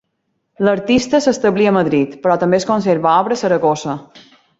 L'artista s'establí a Madrid però també es conserva obra a Saragossa.